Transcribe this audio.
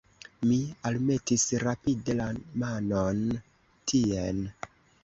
Mi almetis rapide la manon tien.